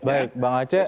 baik bang aceh